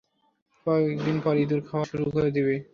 কয়দিন পর ইঁদুর খাওয়া শুরু করে দিবে।